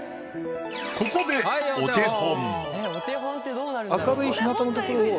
ここでお手本。